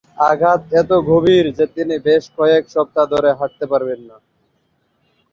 আঘাত এত গভীর যে তিনি বেশ কয়েক সপ্তাহ ধরে হাঁটতে পারবেন না।